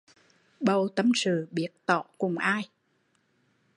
Bầu tâm sự biết tỏ cùng ai